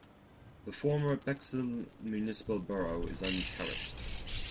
The former Bexhill Municipal Borough is unparished.